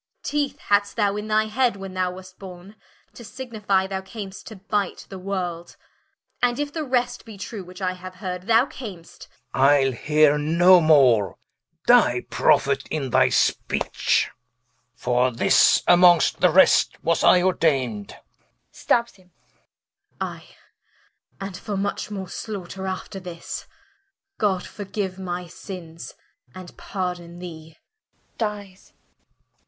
Teeth had'st thou in thy head, when thou was't borne, To signifie, thou cam'st to bite the world: And if the rest be true, which I haue heard, Thou cam'st Rich. Ile heare no more: Dye Prophet in thy speech, Stabbes him. For this (among'st the rest) was I ordain'd Hen. I, and for much more slaughter after this, O God forgiue my sinnes, and pardon thee. Dyes.